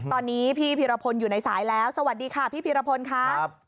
ตอนนี้พี่พีรพลอยู่ในสายแล้วสวัสดีค่ะพี่พีรพลค่ะ